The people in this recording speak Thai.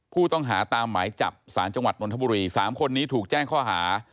ผู้ต้องหาตามหมายจับสารจังหวัดนทบุรี๓คนนี้ถูกแจ้งข้อหา